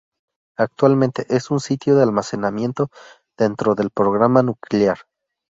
Actualmente, es un sitio de almacenamiento dentro del programa nuclear.